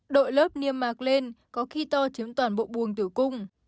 đội lớp niêm mạc lên có khi to chiếm toàn bộ buồng tử cung